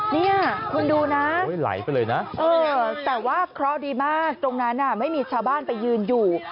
นี่คุณดูนะแต่ว่าคราวดีมากตรงนั้นไม่มีชาวบ้านไปยืนอยู่